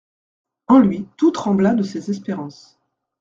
En lui tout trembla de ses espérances.